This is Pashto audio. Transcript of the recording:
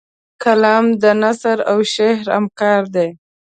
قلم د نثر او شعر همکار دی